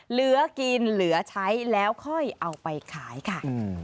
เหลือกินเหลือใช้แล้วค่อยเอาไปขายค่ะ